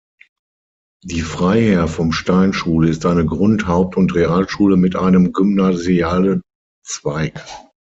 Die Freiherr-vom-Stein-Schule ist eine Grund-, Haupt- und Realschule mit einem gymnasialen Zweig.